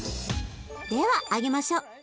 では揚げましょう。ＯＫ！